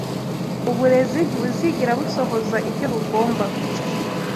Uburezi ntibuzigera busohoza ibyo bugomba